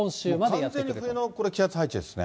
完全に冬の気圧配置ですね。